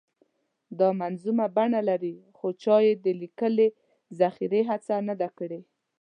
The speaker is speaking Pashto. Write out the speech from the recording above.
دا منظومه بڼه لري خو چا یې د لیکلې ذخیرې هڅه نه ده کړې.